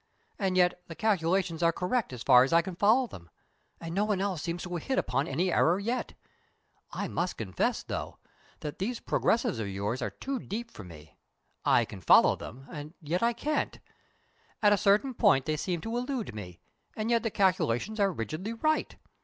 And yet the calculations are correct as far as I can follow them, and no one else seems to have hit on any error yet. I must confess, though, that these progressives of yours are too deep for me. I can follow them, and yet I can't. At a certain point they seem to elude me, and yet the calculations are rigidly right.